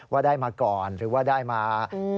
ว่าได้มาก่อนหรือว่าได้มา